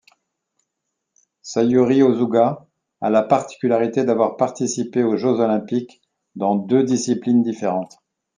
Sayuri Osuga a la particularité d'avoir participé aux Jeux olympiques dans deux disciplines différentes.